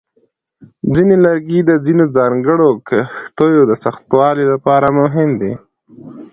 ځینې لرګي د ځینو ځانګړو کښتیو د سختوالي لپاره مهم دي.